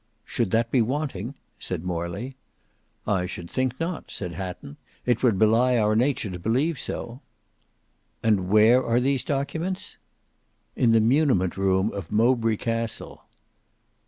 "Should that be wanting?" said Morley. "I should think not," said Hatton. "It would belie our nature to believe so." "And where are these documents?" "In the muniment room of Mowbray castle."